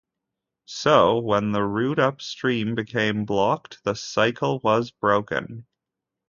So, when the route upstream became blocked, the cycle was broken.